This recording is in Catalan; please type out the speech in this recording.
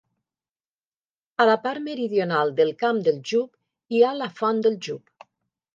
A la part meridional del Camp del Jub hi ha la Font del Jub.